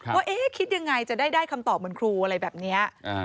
ว่าคิดยังไงจะได้คำตอบเหมือนครูอะไรแบบนี้